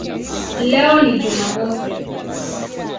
Leo ni Jumamosi".